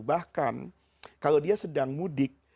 bahkan kalau dia sedang mudik